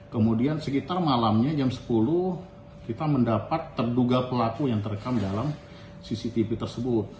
kemudian sekitar malamnya jam sepuluh kita mendapat terduga pelaku yang terekam dalam cctv tersebut